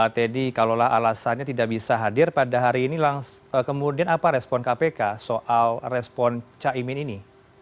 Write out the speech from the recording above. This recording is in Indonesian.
teddy kalaulah alasannya tidak bisa hadir pada hari ini kemudian apa respon kpk soal respon caimin ini